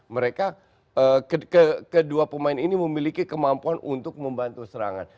mereka kedua pemain ini memiliki kemampuan untuk membantu serangan